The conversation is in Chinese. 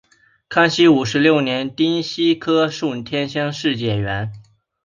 康熙五十六年丁酉科顺天乡试解元。